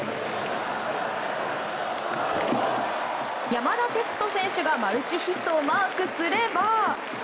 山田哲人選手がマルチヒットをマークすれば。